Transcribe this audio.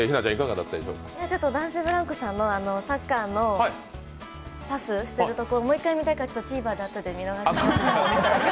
男性ブランコさんのサッカーのパスしているところもう一回見たいからＴＶｅｒで後で見たいと思います。